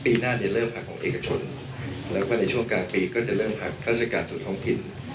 ปีหน้าเนี่ยเริ่มหักของเอกชนแล้วก็ในช่วงกลางปีก็จะเริ่มพักราชการส่วนท้องถิ่น